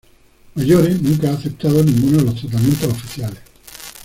Maggiore nunca ha aceptado ninguno de los tratamientos oficiales.